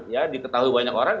ya diketahui banyak orang